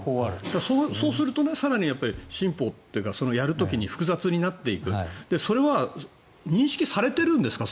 そうすると更に進歩というか複雑になっていくそれは認識されているんですか？